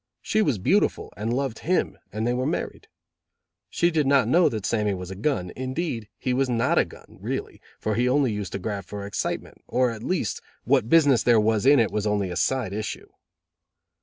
She was beautiful and loved him, and they were married. She did not know that Sammy was a gun; indeed, he was not a gun, really, for he only used to graft for excitement, or at least, what business there was in it was only a side issue.